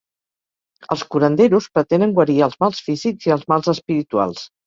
Els curanderos pretenen guarir els mals físics i els mals espirituals.